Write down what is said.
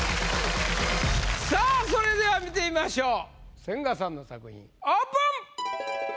さぁそれでは見てみましょう千賀さんの作品オープン！